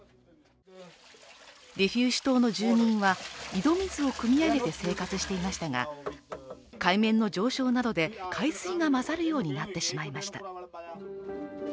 ディフューシ島の住民は、井戸水をくみ上げて生活していましたが海面の上昇などで海水が混ざるようになってしまいました。